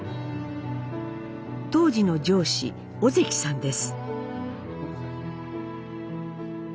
当時の上司尾関さんです。